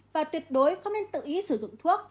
và tuyệt đối không nên tự ý sử dụng thuốc